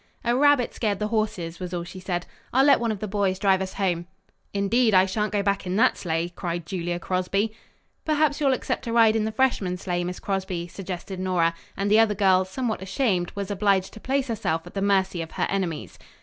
"A rabbit scared the horses," was all she said. "I'll let one of the boys drive us home." "Indeed, I shan't go back in that sleigh," cried Julia Crosby. "Perhaps you'll accept a ride in the freshman sleigh, Miss Crosby," suggested Nora; and the other girl, somewhat ashamed, was obliged to place herself at the mercy of her enemies.